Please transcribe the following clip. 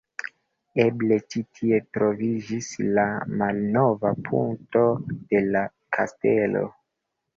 Elbe ĉi tie troviĝis la malnova puto de la kastelo.